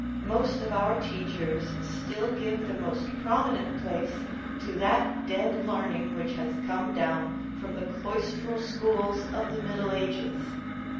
Most of our teachers still give the most prom inent place to that dead learning which has come down from the cloistral schools of the Middle Ages.